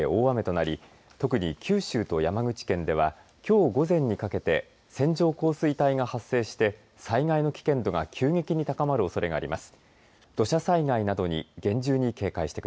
西日本から北日本の広い範囲で大雨となり特に九州と山口県ではきょう午前にかけて線状降水帯が発生して災害の危険度が急激に高まるおそれがあります。